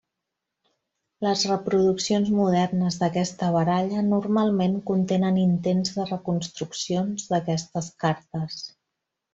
Les reproduccions modernes d'aquesta baralla normalment contenen intents de reconstruccions d'aquestes cartes.